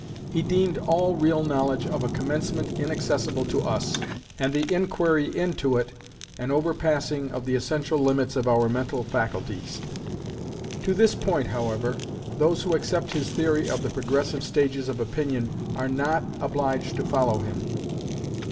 He deemed all real knowledge of a commencement inaccessible to us, and the inquiry into it an overpassing of the essential limits of our mental faculties. To this point, however, those who accept his theory of the progressive stages of opinion are not obliged to follow him.